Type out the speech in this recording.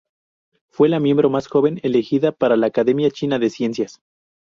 Fue la miembro más joven elegida para la Academia China de Ciencias.